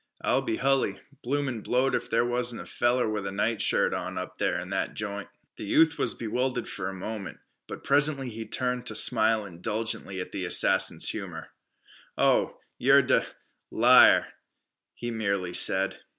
"I'll be hully, bloomin' blowed if there wasn't a feller with a nightshirt on up there in that joint." The youth was bewildered for a moment, but presently he turned to smile indulgently at the assassin's humor. "Oh, you're a d d liar," he merely said.